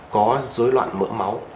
có dối loạn mỡ máu